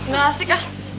gak asik ah